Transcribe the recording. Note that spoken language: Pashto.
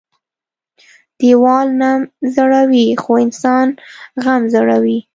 ـ ديوال نم زړوى خو انسان غم زړوى.